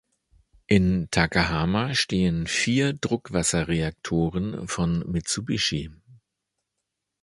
In Takahama stehen vier Druckwasserreaktoren von Mitsubishi.